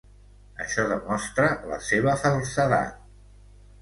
Això demostra la seva falsedat.